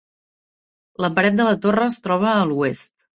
La paret de la torre es troba a l'oest.